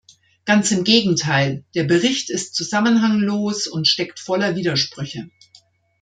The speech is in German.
Ganz im Gegenteil, der Bericht ist zusammenhanglos und steckt voller Widersprüche.